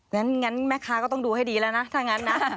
งั้นแม่ค้าก็ต้องดูให้ดีแล้วนะถ้างั้นนะ